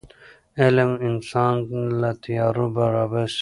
علم انسان له تیارو راباسي.